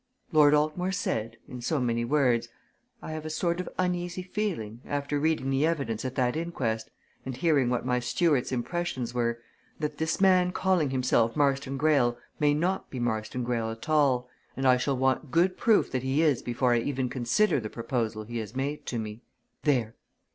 Lord Altmore said in so many words 'I have a sort of uneasy feeling, after reading the evidence at that inquest, and hearing what my steward's impressions were, that this man calling himself Marston Greyle may not be Marston Greyle at all and I shall want good proof that he is before I even consider the proposal he has made to me.' There!